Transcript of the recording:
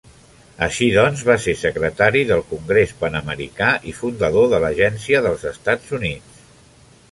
Així doncs, va ser secretari del Congrés Panamericà i fundador de l'Agencia dels Estats Units.